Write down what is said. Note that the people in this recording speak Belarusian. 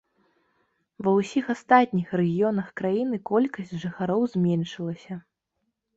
Ва ўсіх астатніх рэгіёнах краіны колькасць жыхароў зменшылася.